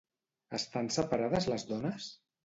Estan separades les dones?